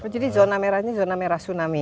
jadi zona merah ini zona merah tsunami